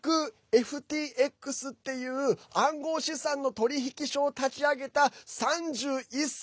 ＦＴＸっていう暗号資産の取引所を立ち上げた３１歳。